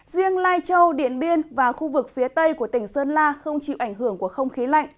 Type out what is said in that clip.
riêng lai châu điện biên và khu vực phía tây của tỉnh sơn la không chịu ảnh hưởng của không khí lạnh